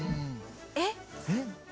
「えっ？」